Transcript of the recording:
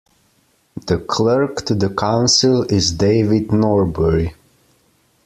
The Clerk to the Council is David Norbury.